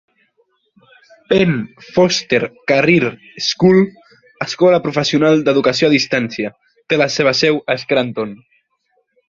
Penn Foster Career School, escola professional d'educació a distància, té la seva seu a Scranton.